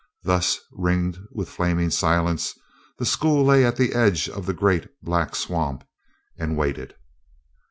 Thus ringed with flaming silence, the school lay at the edge of the great, black swamp and waited.